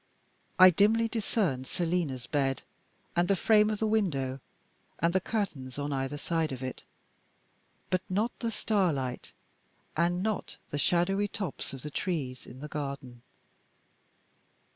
I dimly discerned Selina's bed, and the frame of the window, and the curtains on either side of it but not the starlight, and not the shadowy tops of the trees in the garden.